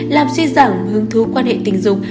làm suy giảm hương thú quan hệ tình dục